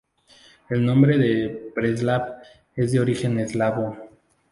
El nombre de Preslav es de origen eslavo.